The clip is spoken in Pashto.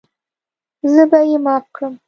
زه به یې معاف کړم.